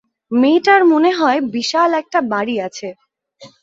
মেয়েটার মনে হয় বিশাল একটা বাড়ি আছে।